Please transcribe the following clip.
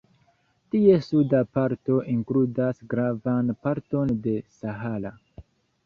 Ties suda parto inkludas gravan parton de Sahara.